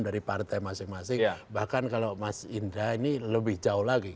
dari partai masing masing bahkan kalau mas indra ini lebih jauh lagi